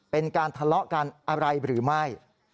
เป็นการทะเลาะกันอะไรหรือไม่